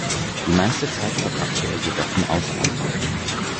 Die meiste Zeit verbrachte er jedoch im Ausland.